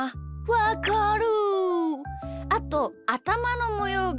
わかる。